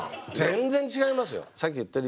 全然違いますよ。